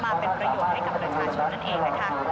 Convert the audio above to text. มาเป็นประโยชน์ให้กับประชาชนนั่นเองนะคะ